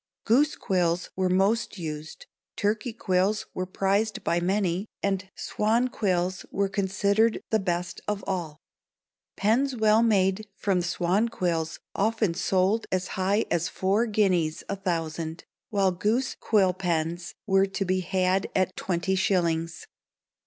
Goose quills were most used, turkey quills were prized by many, and swan quills were considered the best of all. Pens well made from swan quills often sold as high as four guineas a thousand, while goose quill pens were to be had at twenty shillings.